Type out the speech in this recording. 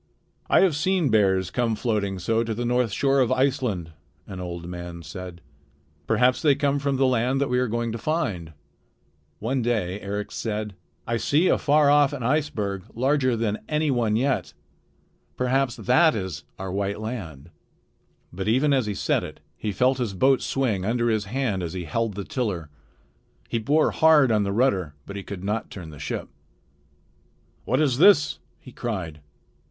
"I have seen bears come floating so to the north shore of Iceland," an old man said. "Perhaps they come from the land that we are going to find." One day Eric said: "I see afar off an iceberg larger than any one yet. Perhaps that is our white land." [Illustration: "It is a bigger boat than I ever saw before"] But even as he said it he felt his boat swing under his hand as he held the tiller. He bore hard on the rudder, but he could not turn the ship. "What is this?" he cried.